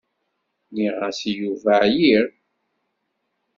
Nniɣ-as i Yuba εyiɣ.